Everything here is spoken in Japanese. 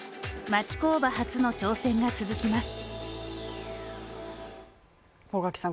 町工場発の挑戦が続きます。